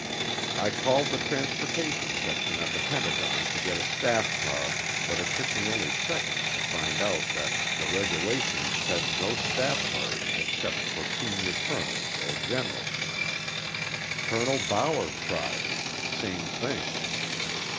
I called the transportation section at the Pentagon to get a staff car but it took me only seconds to find out that the regulations said no staff cars except for senior colonels or generals. Colonel Bower tried same thing.